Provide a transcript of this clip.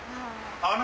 あの。